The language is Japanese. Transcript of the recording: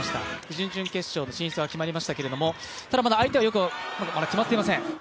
準々決勝の進出は決まりましたけど、ただ、まだ相手は決まっていません